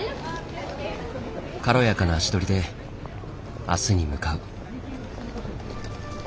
軽やかな足取りで明日に向かう。